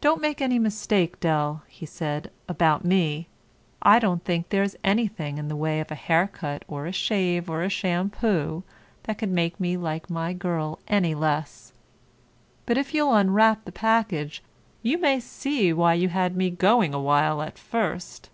"Don't make any mistake, Dell," he said, "about me. I don't think there's anything in the way of a haircut or a shave or a shampoo that could make me like my girl any less. But if you'll unwrap that package you may see why you had me going a while at first."